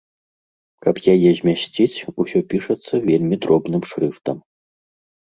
Каб яе змясціць, усё пішацца вельмі дробным шрыфтам.